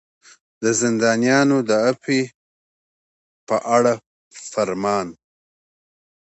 د زندانیانو د عفوې په اړه فرمان.